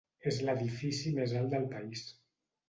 És l'edifici més alt del país.